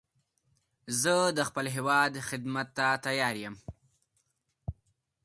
زه د خپل هېواد خدمت ته تیار یم